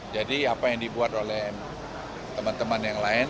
jadi apa yang dibuat oleh teman teman yang lain